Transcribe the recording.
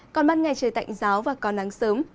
còn ban ngày trời tạnh giáo và có nắng sớm